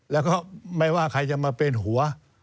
แล้วก็ไม่ว่าใครจะมาเป็นหัว